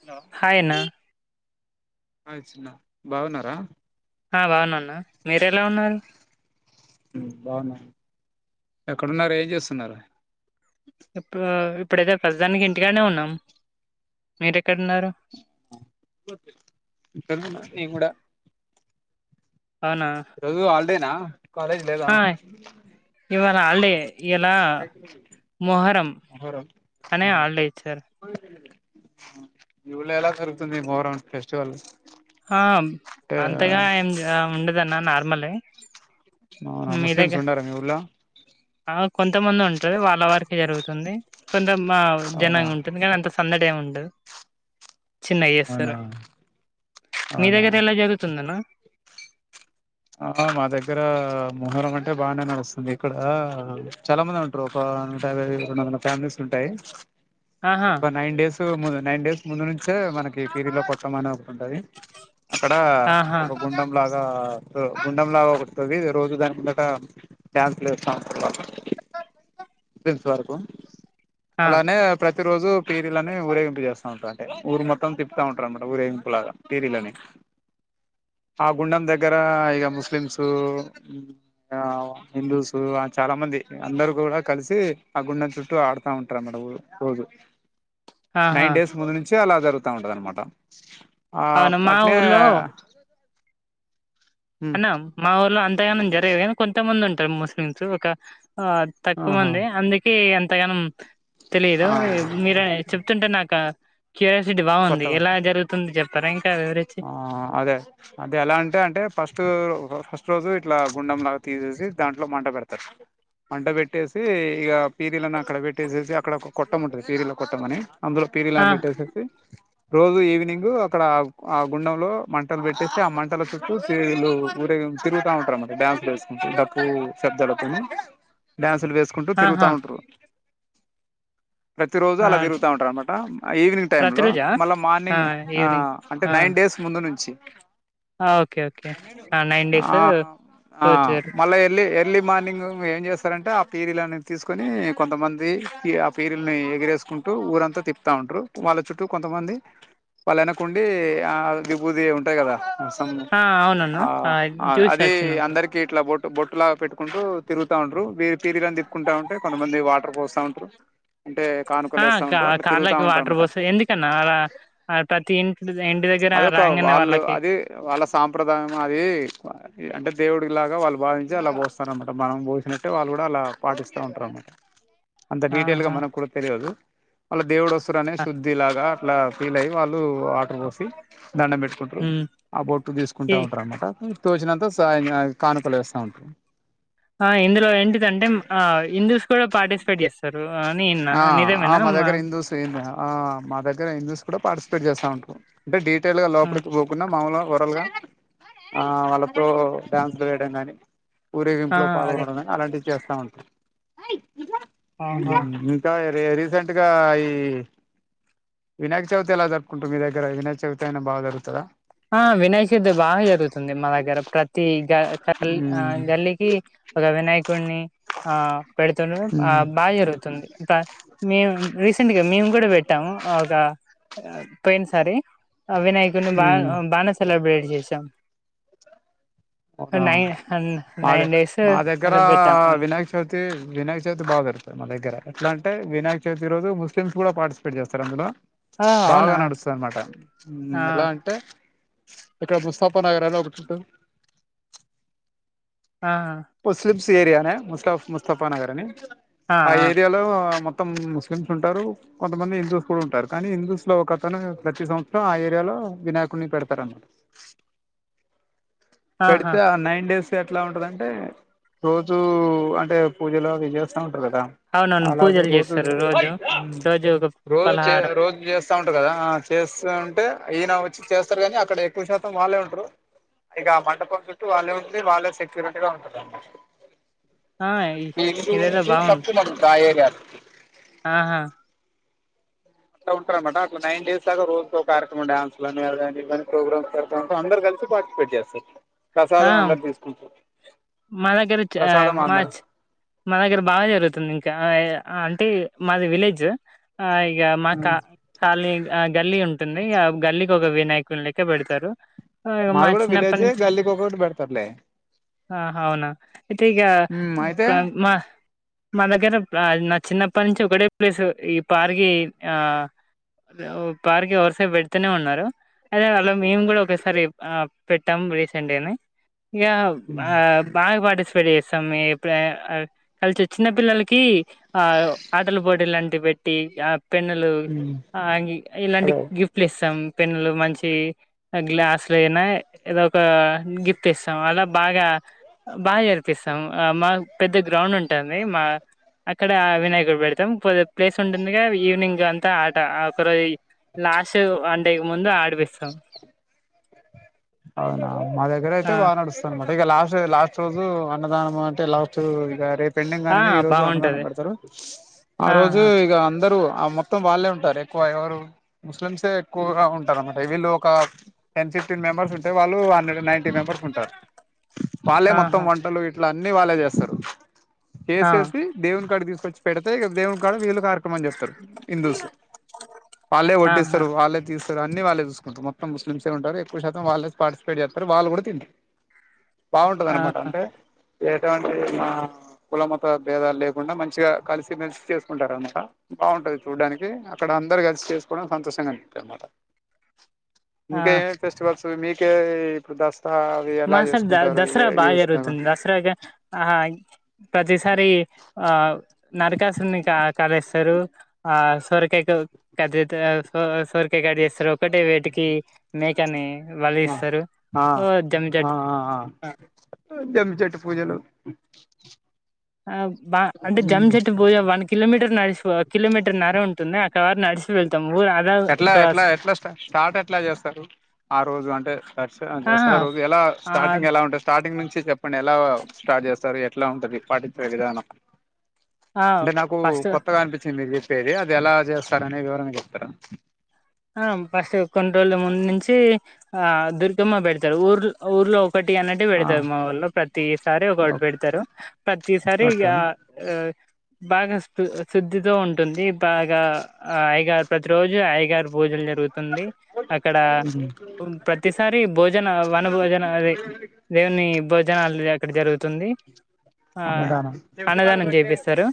Hello hi అన్న ఆ చిన్నా బాగున్నరా? ఆ బాగున్న అన్న, మీరెలా ఉన్నారు? మ్ బాగున్నా ఇప్పుడు ఇప్పుడైతే ప్రస్తుతానికి ఇంటికాన్నే ఉన్నం మీరెక్కడున్నారు ఇంటికన్నే ఉన్న నేన్ గుడ అవునా ఈ రోజు హల్డేనా కాలేజ్ లేదా? ఆ ఇవాళ హాల్డే ఇయలా మొహరం మొహరం అనే హాల్డే ఇచ్చారు. మీ ఊర్లో ఎలా జరుగుతుంది మొహరం ఫెస్టివల్ ఆ అంటే అంతగా ఏం ఎంజా ఉండదన్న నార్మలే అవునా మీ ముస్లీంస్ దగ్గర ఉండరా మీ ఊర్ల ఆ కొంతమంది ఉంటరు వాళ్ళ వర్కే జరుగుతుంది కొంత మా అవునా ధ్యానం ఉంటుంది గన్ అంత సందడేం ఉండదు. చిన్నగ అవునా చేస్తరు మీ అవునా దగ్గర ఎలా జరుగుతుందనా ఆ మా దగ్గరా మొహరం అంటే బానే నడుస్తుంది ఇక్కడా చాలా మంది ఉన్ టరు ఒకా నూట యాభై రెండు వందల ఫ్యామిలీస్ ఉంటయి ఆహా ఒక నైన్ డేస్ స్ ముందు నైన్ డేస్ ముందు నుంచే మనకి ఫీరీల కొట్టమనే ఒకటుంటది. అక్కడా ఆహా ఒక గుండంలాగా ఒ గుండెం లాగా కొతది రోజు దాని ముందట డ్యాన్స్లెలేస్త ఉంటరు [unintelligible] ఆ అలానే ప్రతి రోజు పీరీలనిఊరేగింపు చేస్తా ఉంటారు అంటె ఊరు మొత్తం తిప్పుతా ఉంటారన్నమాట ఊరేగింపు లాగా పీరీలని ఆ గుండం దగ్గరా ఈగ ముస్లిమ్సు ఆ హిందూస్ చాలా మంది అందరు కూడా కలిసి ఆ గుండం చుట్టూ ఆడుతా ఉంటారన్నమాట రోజు ఆహా నైన్ డేస్ ముందు నుంచి చి అలా జరుగుతా ఉంటది అనమాట ఆ అవును మా అట్నే ఊర్లో అన్న మా ఊర్లో అంతగనం జరగదు కానీ కొంతమంది ఉంటారు ముస్లిమ్స్ ఒక ఆ తక్కువ ఆహా మందే అందుకే అంతగనం తెలిదు ఆ మీరు చెప్తుంటే నాకు క్యూరియాసిటీ బాగుంది కొత్తగా ఎలా జరుగు తుంది చెప్తారా ఇంకా వివరిం ఆ అదే అంటే ఎలా అంటే అంటే ఫస్ట్ ఫస్ట్ రోజు ఇట్లా గుండెంలాగా తీసేసి దాంట్లో మంట పెడతారు మంట పెట్టేసి ఇక పీరీలను అక్కడ పెట్టేసి అక్కడ ఒక కొట్టం ఉంటది పీరల కొట్టమని అందులో ఆ పీరిలాని పెట్టేసేసి రోజు ఈవినింగ్ అక్కడ ఆ గుండములో మంటలు పెట్టేస్తే ఆ మంటల చుట్టూ పీర్లు ఊరేగింప్ తిరుగుతా ఉంటారున్నమాట డ్యాన్స్ లేసి డప్పు శబ్దాలకును డ్యాన్సులు వేసు టూ తిరుగుతా ఆహా ఉంటరు ప్రతి రోజు ఆ అలా తిరుగుతా ఉంటారు అన్నమాట ఈవినింగ్ టైం లో ప్రతిరోజా మళ్ళా మార్నింగ్ ఆ. ఈవినింగ్ అంటే ఆ నైన్ డేస్ ముందు నుంచి ఆ, ఓకే ఓకే ఆ నైన్ డేస్ ఆ. ఆ వచ్చారు మళ్ళ లెఎర్లీ మార్నింగ్ ఏం చేస్తారంటే ఆ పీరీలను తీసుకుని కొంతమంది ఆ పీరులను ఎగిరేసు కుంటూ ఊరంతా తిప్పుతా ఉంటారు వాళ్ళ చుట్టూ కొంతమంది వాళ్ళ వెనక ఉండి ఆ వీబూది అవిఉంటాయి కదా ఆ అవునన్న ఆ చూసి అది వచ్చినప్పుడు అందరికి ఇట్లా బొటు బొట్టు లా పెట్కుంటూ తిరుగుతా ఉంటారు పీరీలను తిప్పుకుంటా ఉంటే కొంతమంది వాటర్ పోస్తా ఉంటారు అంటే ఆ కానుకలు వేస్తా కా ఉంటారు అట్లా తిరుగుతా కాళ్ళకి ఉంటారు వాటర్ అనమాట బోసి ఎందుకన్నా అలా ప్రతి ఇంట్ ఇంటి దగ్గర అదొక రాంగనే వాళ్ళు వాళ్ళకి అది వాళ్ళ సాంప్రదాయం అదీ ఇ అంటే దేవుడికి లాగా వాళ్ళు భావించి అలా పోస్తారన్నమాట మనం పోసినట్టే వాళ్ళు గుడా అలా పాటిస్తూ ఉంటారు అన్నమాట అంత డీటైల్గా ఆహా మనకి కూడా తెలియదు అలా దేవుడు వస్తరనే శుద్ధి లాగా అలా ఫీల్ అయి వాళ్ళు వాటర్ పోసి దండం పెట్టు కుారు హ్మ్ ఆ బొట్టు ఈ తీసుకుంటా ఉంటారనమాట తోచినంత కానుకలు వేస్తా ఉంటారు ఆ ఇందులో ఏంటిదంటే ఆ హిందూస్ కూడా పార్టిసిపేట్ చేస్తారు అని విన్న ఆ నిజమే నా మా దగ్గర హిందూస్ ఆ. మా దగ్గర హిందుస్ కూడా పార్టిసిపేట్ చేస్తా ఉంటారు అంటే డీటెయిల్ గా ఆ లోపలికి పోమ్ ఉన్నా మాముూలుగా ఓరల్గా ఆ వాళ్ళతో డ్యాన్స్లు వేయడం గాని ఆ! ఊరేగింపులో అదే పాల్గొనడం అలాంటివి చేస్తా ఉంటాం ఆహా ఇంకా రీసెంట్ గా ఈ వినాయక చవితి ఎలా జరుపుకుంటు మీ దగ్గర వినాయక్ చవితయినా బా జరుగుతదా ఆ వినాయక చతుర్ధి బాగా జరుగుతుంది మా దగ్గర ప్రతి గ కల్ మ్మ్ గల్లికి ఒక వినాయకుడిని ఆ పెడుతుండ్లు ఆ మ్మ్ బాగా జరుగుతుంది ద మేమ్ రీసెంట్గా మేము గుడా పెట్టాము ఒక పోయిన సారి అ వినాయకుడిని బాగ మ్మ్ బానే సెలబ్రేట్ చేశాం అవునా నైన్ నైన్ డేస్ మొదలు పెట్టాం ప్రతి వినాయక చవితి బాగా జరుగుతుంది. మా దగ్గర ఎట్లా అంటే వినాయక చవితి రోజు ముస్లిమ్స్ కూడా పార్టిసిపేట్ చేస్తారు. అందులో ఆ బాగా అవునా నడుస్తది అన్నమాట ఉ ఆ ఎలా అంటే ఇక్కడ ముస్తాఫా నగర్ అనే ఒకటి ఉంటది ఆ ముస్లిమ్స్ ఏరియానే ముస్తాఫ్ ముస్తఫా నగర్ అని ఆ ఏరియాలో మొత్త మొత్తం ముస్లిమ్స్ ఉంటారు కొంతమంది హిందూస్ కూడా ఉంటారు. కొంత మంది హిందూస్ కూడా ఉంటారు. కానీ హిందుస్లో ఒకతను ప్రతి సంవత్సరం ఆ ఏరియాలో వినాయకుడిని పెడతారన్నమాట ఆహా పెడితే ఆ నైన్ డేస్ ఎట్లా ఉంటదంటే రోజు అంటే పూజలు అవి చేస్తా ఉంటారు. కదా అవునవును అలాగే పూజలు రోజు చేస్తారు రోజు రోజు ఒక రోజు చే పలహారం రోజు చేస్త చేస్తా ఉంటారు. కదా ఆ చేస్తా ఉంటే ఈయన వచ్చి చేస్తారు. కాని అక్కడ ఎక్కువ శాతం వాళ్ళే ఉంటారు. ఇగా మండపం చుట్టూ వాళ్ళే ఉంది వాళ్ళే సెక్యూరిటీ గా ఉంటరండి. ఆ ఇ ఇదేదో తక్కువ మంది ఆ ఏరియా కు ఆ అ ఉంటారన్నమాట ఒక నైన్ డేస్ దాకా రోజుకో కార్యక్రమం డాన్స్లని అవన్నీ ఇవ్వని ప్రోగ్రాం పెడుతుంటే అందరూ కలిసి పార్టిసిఫేట్ చేస్తా స ఆ మా దగ్గర చ ప్రసాదం అందరు మార్చ్ మా దగ్గర బాగా జరుగుతుంది. ఇంకా అంటే మాది విలేజ్ ఆ ఇగ మాకా కాలని ఆ గల్లీ ఉంటుంది. ఆ గల్లికొక వినాయకున్లెక్క పెడతారు. ఆ! ఇగ మా మాది కూడా విలేజ్ చిన్నప్పటి నుంచి గల్లీకి ఒకటి పెడతరూ లే ఆహా అవునా అయితే ఈగ అయితే మా మా దగ్గర నా చిన్నప్పటి నుంచి ఒకటే ప్లేస్ ఈ పార్కి ఆ పార్కి ఎవరిసేపు పెడితనే ఉన్నారు అదే వాళ్ళ మేము గూడా ఒకసారి ఆ పెట్టాం రే అంటేనే ఇగ బాగ పటిస్పే ప్రిపేర్ చేస్తాం. మే ఎప్పు కలిసి వచ్చిన పిల్లలకి ఆటల పోటీలు ఆంటీవి పెట్టి పెన్నులు మ్మ్ అంగి ఇలాంటి అదే గిఫ్ ప్లిస్తాం పెన్నులు మంచి గ్లాస్లు అయినా ఏదో గిఫ్టీస్తాం అలా బాగా బాగా జరిపిస్తాం మా పెద్ద గ్రౌండ్ ఉంటంది. మా అక్కడ వినాయకుడ్ని పెడతాం. కొద్దిగ ప్లేస్ ఉంటుందిగా ఈవినింగ్ అంతా ఆట ఒకరోజు లాస్ట్ ముందు ఆడపిస్తాం అవునా మా దగ్గర అయితే ఆ బాగా నడుస్తు అన్నమాట ఇగ లాస్ట్ లాస్ట్ రోజు అన్నదానం అంటే లాస్ట్ ఇగ రేప్ పెండింగ్ ఆ అనగ ఈ రోజు అన్నదానం బాగుంటది పెడతారు ఆ రోజు ఆహా ఇగ అందరూ ఆ మొ మొత్తం వాళ్ళే ఉంటారు. ఎక్కువ ఎవరు ముస్లిమ్సే ఎక్కువగా ఉంటారు. అన్న బేబీ వీళ్ళు ఒక టెన్ ఫిఫ్టీన్ మెంబెర్స్ ఉంటే వాళ్ళు హండ్రెడ్డ్ నైన్ మెంబెర్స్ ఉంటారు. వాళ్ళే మొత్తం ఆహా వంటలు ఇట్లా అన్ని వాళ్ళే చేస్తారు ఆ చేసేసి దేవునికాడి తీసుకొచ్చి పెడితే ఇగ దేవునికాడ వీళ్లు క మని చెప్తారు హిందూస్ వాళ్ళే ఆహా వడ్డిస్తారు వాళ్ళే తీస్తారు అన్ని వాళ్ళే కు మొత్తము ముస్లింలు ఎక్కువ శాతం వాళ్ళ పార్టిసిపేట్ చేస్తారు. వాళ్ళ కూడా తింటరు బాగుంటది ఆ అన్నమాట అంటే ఎటువంటి మా కుల మత భేదాలు లేకుండా మంచిగా కలిసి మెలిసి చేసుకుంటారనమట బాగుంటంది చూడ్డానికి అక్కడ అందరూ కలిసి చేసుకోవడం సంతోషంగా అనిపిస్తది అన్నమాట ఆ ఇంకేయే ఫెస్టివల్స్ మీకే ఇప్పుడు దాస్ ఆ అవి ఎలా జేసుకుంటారు ఏ చేసుకుంటాల సరదాగా ఆ ప్రతిసారి ఆ నరకాసున్ని కా కట్ చేస్తరు ఆ సోరకాయతో కట్ జేత్త సో సోరకాయ కట్ జేస్తరు ఒకటే వేతికి మేకని బలి ఆ ఇస్తారు ఆ జమ్ ఆ జట్ ఆ జమ్మి చెట్టు పూజలు ఆ బా అంటే జమ్మిచెట్టు బూజ వన్ కిలోమీటర్ నడిచిపో కిలోమీటర్ నరా ఉంటుంది నడిచి వెళ్తాం ఇప్పుడు ఆధార్ ఎట్లా ఎట్లా ఎట్లా స్టా స్టార్ట్ ఎట్లా చేస్తారు ఆరోజు అంటే దర్స ఆహా దసరా రోజు ఎలా ఆ స్టార్టింగెలా ఉంటది స్టార్టింగ్ నుంచి చెప్పండి ఎలా స్టార్ట్ చేస్తారు ఎట్లా ఉంటది పాటించే విధానం ఆ అంటే నాకు ఫస్ట్ కొత్తగా అనిపించింది మీరు చెప్పేది అది ఎలా చేస్తారనేది వివరంగా చెప్తారా ఆ ఫస్ట్ కొన్ని రోజుల ముందు నుంచి ఆ దుర్గమ్మ పెడతారు ఊర్ ఊర్లో ఒకటి అన్నటి ఆ పెడతారు మా వాళ్ళ ప్రతిసారి ఒకటి ఓకే పెడతారు ప్రతిసారి ఇగ ఓకే ఆ బాగా శ శుద్ధితో ఉంటుంది బాగా అయ్యగారు ప్రతి రోజు అయ్యగారు పూజలు జరుగుతుంది అక్కడ ప్రతిసారి భోజన వన భోజన అది దేవుని భోజనాలు అక్కడ జరుగుతుంది ఆ అన్నదానం అన్నదానం జేపిస్తారు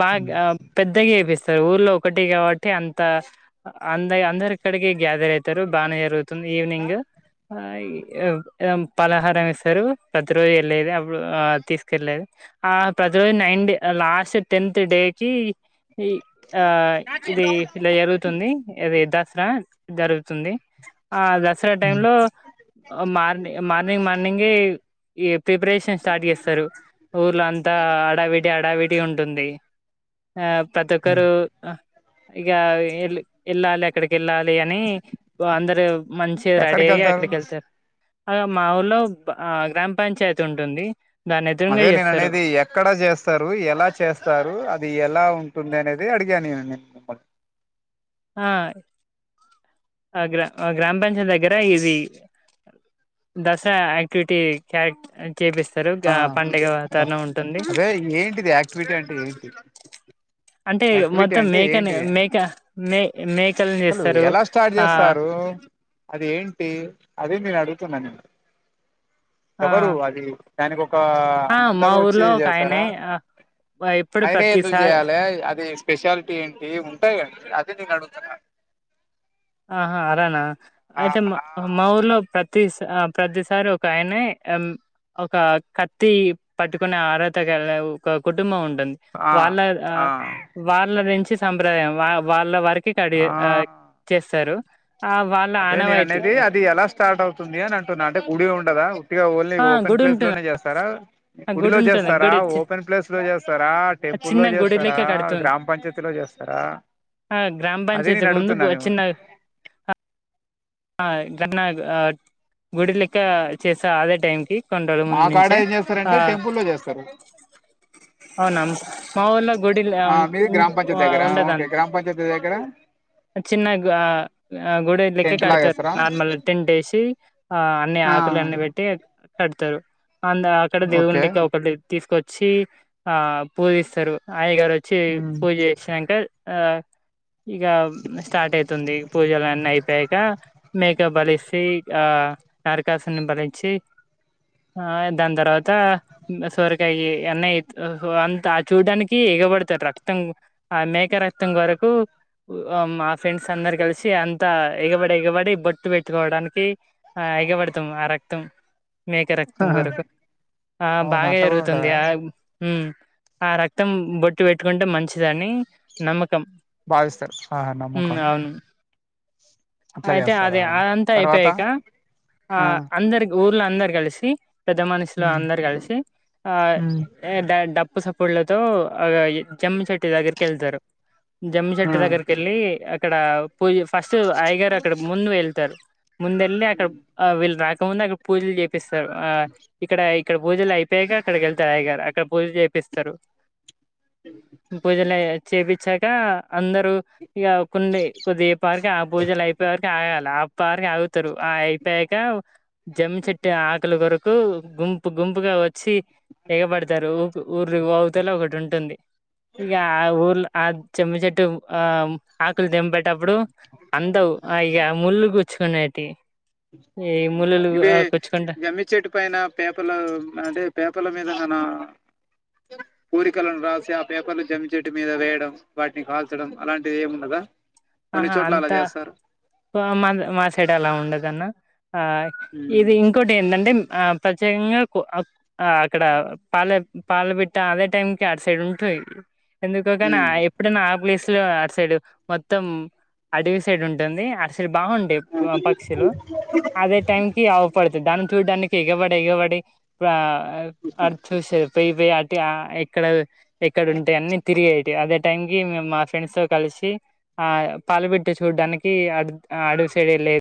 బాగా పెద్దగ చేపిస్తారు ఊర్లో ఒకటి కాబట్టి అంత అంద అందరి ఇక్కడికి గ్యాదర్ అయితారు బాగానే జరుగుతుంది ఈవినింగు ఆ ఈ పలహారం ఇస్తారు ప్రతి రోజు యెళ్ళేది అప్పుడు తీసుకెళ్ళేది ఆ ప్రతిరోజు నైన్ద లాస్ట్ టెన్త్ డే కి ఆ ఇది ఇలా జరుగుతుంది అది దసరా జరుగుతుంది ఆ దసరా టైంలో మార్ని మార్నింగ్ మార్నింగే ఈ ప్రిపరేషన్ స్టార్ట్ చేస్తారు ఊర్లో అంతా అడావిడీ అడావిడి ఉంటుంది ఆ పతొక్కరు ఇక వి యెళ్ళాలి అక్కడికి యెళ్ళాలి అని ఓ అందరు మంచిగ రెడీ ఎక్కడికి అయ్యి వెళ్తారు అక్కడికి యెళ్తరు అ మా ఊర్లో ఆ గ్రామ పంచాయతీ ఉంటుంది దాన్ని ఎదురుంగా అదే నేను జేస్తారు అనేది ఎక్కడ జేస్తారు ఎలా చేస్తారు అది ఎలా ఉంటుంది అనేది అడిగాను నేను నిన్ ఆ ఆ గ్రా ఆ గ్రామ పంచాయత్ దగ్గర ఇది దసరా యాక్టివిటీ క చేపిస్తారు పండగ వాతరణం ఉంటుంది అంటే ఏంటిది ఆక్టివిటీ ఆక్టివిటీ అంటే ఏంటి అంటే అక్టివిటీ మొత్తం అంటే మేకని ఏంటిది మేక మే మే అసలు ఎలా స్టార్ట్ చేస్తారు అది ఏంటి అది నేను అడుగుతున్నా నేను ఆ ఎవరు అది దానికి ఒక ఆ మా అందరుూ వచ్చి ఊర్లో ఒక ఆయనే చేస్తారా ఆ, ఎప్పుడు ఆయనే ఎందుకు ప్రతిసారి చేయాలి అది స్పెషాలిటీ ఏంటి ఉంటాయి కండి అదే నేను అడుగుతున్నా ఆహా అరనా ఆ ఐతే మా ఆ మా ఊర్లో ప్రతి ప్రతిసారి ఒక ఆయనే అమ్ ఒక కత్తి పట్టుకునే అరాహత గల ఒక కుటుంబం ఉంటు ఉంది వాళ్ళ ఆ వాళ్ళ నుంచి సంప్రదాయం వా వాళ్ళ వరకి కడియ ఆ చేస్తారు ఆ వాళ్ళ అదే నేన ఆనవాయితీ అనేది అది ఎలా స్టార్ట్ అవుతుంది అని అంటు నా అంటే కుడి ఉండదా ట్ గ ఓన్లీ ఆ ఓపెన్ గుడి ఉంటుంది ప్లేస్లోనే చేస్తారా ఆ గుడి గుడిలో ఉంటుంది చేస్తారా గుడి చి- ఓపెన్ ప్లేస్ లో చేస్తారా చిన్న టెంపుల్లో గుడి చేస్తారా లెక్క కడుతు గ్రాం పంచాయతీలో చేస్తారా ఆ అదే గ్రాంపంచాయతీ నేను ముందుకు అడుగుతున్నా మిమ్మల్ని వొచిన్న ఆ గన్నాగ్ ఆ గుడి లెక్క చేస్తా అదే టైంకి కొంటరు ముందు నుంచే ఆ సింపుల్గా చేస్తారు అవునమ్ మా ఊళ్లో గుడిల ఆ ఉ అ ఉండదం నీ దగ్గర చిన్న అ గుడే లేక్క టెంట్ కడతారు లాగేస్తారా నార్మల్ టెన్ట్ ఏసి ఆ అన్ని ఆ ఆకుల అన్ని పెట్టి కడతారు అందు అక్కడ ఓకే దేవున్నికి ఒకటి తీసుకొచ్చి ఆ పూజిస్తారు అయ్యగారు వచ్చి పూజ శంకర్ ఆ ఇగ స్టార్ట్ అయితుంది పూజల అన్నీ అయిపోయాక మేక భలిసి ఆ నరకాసుని బలించి ఆ దాని తర్వాత సొరకాయ అన్న అంత చూడడానికి ఎగబడతారు రక్తం ఆ మేకరక్తం వరకు మా ఫ్రెండ్స్ అందరు గలిసి అం అంత ఎగబడి ఎగబడి బొట్టు పెట్టుకోవడానికి ఆ ఎగబడతాం ఆ రక్తం మేక రక్తం ఆహా! కొరకు ఆ అవును బాగా అట్లా కూడా జరుగుతుంది ఉంటదా ఆ ఉమ్ ఆ రక్తం బొట్టు పెట్టుకుంటే మంచిదని నమ్మకం భావిస్తారు ఆ ఉమ్, నమ్మకం అవును అట్లా అయితే చేస్తారా అది అద అంతా తర్వాత అయిపోయాక ఆ అందరికి ఊర్లో అందరు కలిసి పెద్ద మనుషులో ఉమ్ అందరు కలిసి ఆ అ డ డప్పు సప్పుళ్ళతో ఈ జమ్మశెట్టు దగ్గరికి వెళ్తారు ఆ జమ్మిశెట్టి దగ్గరకీ వెళ్ళి అక్కడ. పూజ ఫస్ట్ అయగారు అక్కడ ముందు వెళ్తారు ముందు వెళ్ళి అక్కడ ఆ వీళ్ళు రాకముందు అక్కడ పూజలు చేపిస్తారు ఆ ఇక్కడ. ఇక్కడ పూజలు అయిపోయాగా అక్కడికి వెళ్తా అయ్యగారు అక్కడ పూజలు చేయిపిస్తారు పూజలఅయి చేపిచ్చాక అందరూ ఇయకుండి కొద్దిపారిక ఆ పూజలు అయిపోయే వరకి ఆగాల ఆ అప్ప వరకు ఆగుతారు ఆ అయిపోయాక. జమ్మి చెట్టు ఆకులు కొరకు గుంపు గుంపుగా వచ్చి తెగబడతారు ఊ ఊరు అవుతలో ఒకటి ఉంటుంది ఇగ ఆ ఊర్లో ఆ చెమ్ము చెట్టు ఆ ఆకులు తేంపేట అప్పుడు అందవు ఇక ముళ్ళు కూచ్చుకునేటి ఏ మూలలు ఇవే ఆ గుచ్చుకుంట. జమ్మి చెట్టు పైన పేపర్లు అంటే పేపర్ల మీద మన కోరికలను రాసి ఆ పేపర్లు జమ్మే చేట్టు మీద వేయడం. వాటిని కాల్చడం అలాంటిది ఏముండదా. కొన్ని ఆహా చోట్ల అలా అంతా చేస్తారు మా మాసైడు అలా ఉండదఅన్న ఆ ఉమ్ ఇది ఇంకోటి ఏంట అంటే ఆ ప్రచ్యూకంగా. పో ఆ అక్కడ పాలె పాల పిట్టఅదే టైంకి ఆ సైడ్ ఉంటుంది ఎందుకోగాని ఉమ్ ఎప్పుడు నా ప్లేసులు ఆ సైడు మొత్తం. మొత్తం అడవి సైడ్ ఉంటుంది అసడ్ బాగుంటే పక్షులు అదే టైం కి ఆవపడుతుంది దాన్ని చూడడానికి ఎగబడి ఎగబడి ఇప్పుడు చూస్తాం చూసేది పోయిపోయి అటి ఎక్కడ ఎక్కడ ఉంటాయి అన్న తిరిగేటి అదే టైం కి మేము మా ఫ్రెండ్స్ తో కలిసి. ఆ పాలపిట్ట చూడ్డానికి ఆ అటు అడవి సైడు వెళ్ళేది